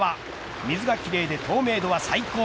水が奇麗で、透明度は最高。